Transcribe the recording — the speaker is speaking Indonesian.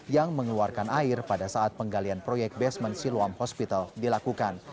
yang mengeluarkan air pada saat penggalian proyek basement siluam hospital dilakukan